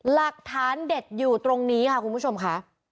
หลักฐานเด็ดอยู่ตรงนี้ค่ะคุณผู้ชมค่ะ